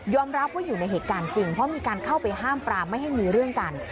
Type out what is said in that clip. รับว่าอยู่ในเหตุการณ์จริงเพราะมีการเข้าไปห้ามปรามไม่ให้มีเรื่องกัน